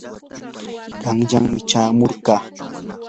qanyanmi chamurqaa.